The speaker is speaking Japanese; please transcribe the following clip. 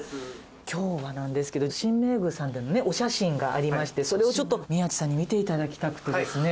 今日はなんですけど神明宮さんでのねお写真がありましてそれをちょっと宮地さんに見て頂きたくてですね。